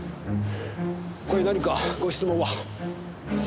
他に何かご質問は？